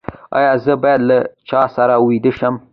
ایا زه باید له چا سره ویده شم؟